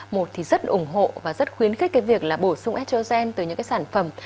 một thì rất ủng hộ và rất khuyến khích cái việc là bổ sung scholzen từ những cái sản phẩm